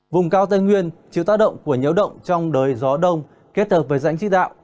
vùng cao tây nguyên chịu tác động của nhiễu động trong đời gió đông kết hợp với rãnh chí đạo